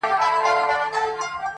یوه بل ته یې د زړه وکړې خبري -